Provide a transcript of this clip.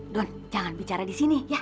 don jangan bicara di sini ya